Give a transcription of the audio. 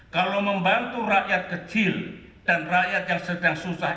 kalau membantu rakyat kecil dan rakyat yang sedang susah